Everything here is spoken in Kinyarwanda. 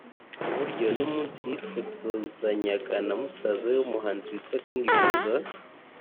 kuburyo n’umunsi yifotozanyaga na musaza we w’umuhanzi witwa King Philosophe